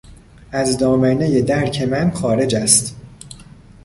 از دامنهی درک من خارج است.